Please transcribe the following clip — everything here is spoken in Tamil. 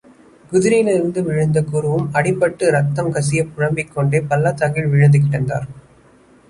குதிரையிலிருந்து விழுந்த குருவும் அடிபட்டு இரத்தம் கசியப் புலம்பிக்கொண்டே பள்ளத்தாக்கில் விழுந்துகிடந்தார்.